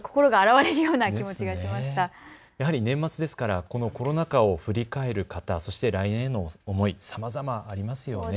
やはり年末ですからこのコロナ禍を振り返る方、そして来年への思い、さまざまありますよね。